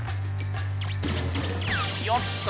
よっと！